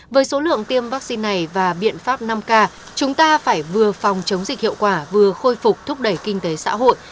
với số lượng tiêm vaccine này và biện pháp năm k chúng ta phải vừa phòng chống dịch hiệu quả vừa khôi phục thúc đẩy kinh tế xã hội